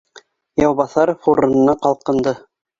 Яубаҫаров урынынан ҡалҡынды: